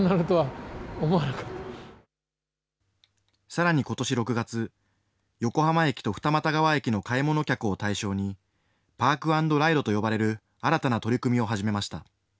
さらにことし６月、横浜駅と二俣川駅の買い物客を対象に、パークアンドライドと呼ばれる新たな取り組みを始めました。